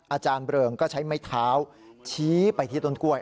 อาจารย์เริงก็ใช้ไม้เท้าชี้ไปที่ต้นกล้วย